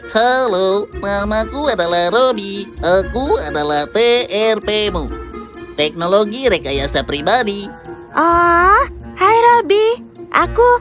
halo nama ku adalah robby aku adalah prp mu teknologi rekayasa pribadi oh hai robby aku